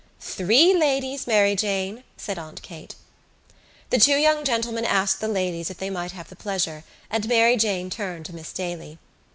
"Three ladies, Mary Jane," said Aunt Kate. The two young gentlemen asked the ladies if they might have the pleasure, and Mary Jane turned to Miss Daly.